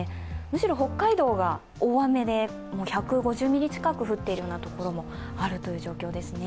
むしろ北海道が大雨で１５０ミリ近く降っているような所もある状況です。